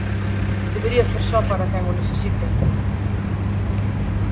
Debería ser só para quen o necesiten.